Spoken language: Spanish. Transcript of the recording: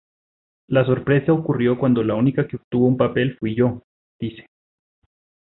La sorpresa ocurrió cuando la única que obtuvo un papel fui yo; dice.